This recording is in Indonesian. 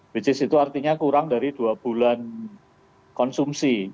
which is itu artinya kurang dari dua bulan konsumsi